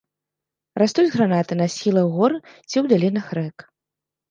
Растуць гранаты на схілах гор ці ў далінах рэк.